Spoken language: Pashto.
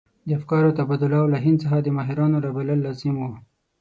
د افکارو تبادله او له هند څخه د ماهرانو رابلل لازم وو.